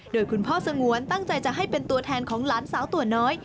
โดยคุณพ่อสงวนตั้งใจจะให้เป็นตัวแทนของหลานสาวตัวน้อย